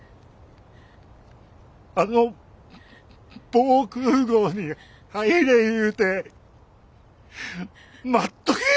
あの防空壕に入れ言うて待っとけえ